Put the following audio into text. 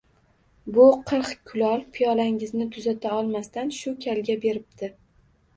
Bu qirq kulol piyolangizni tuzata olmasdan shu kalga beribdi